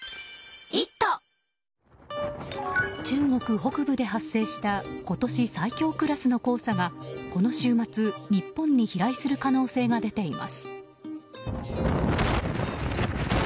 中国北部で発生した今年最強クラスの黄砂がこの週末、日本に飛来する可能性が出ています。